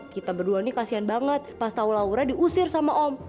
kita berdua ini kasian banget pas tau laura diusir sama om